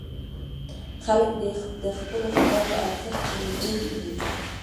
خلک دې د خپلو خبرو ارزښت وویني.